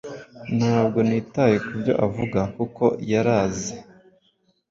Ntabwo nitaye kubyo avugaKuko yaraaze